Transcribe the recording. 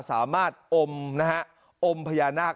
สามารถอมพญานาค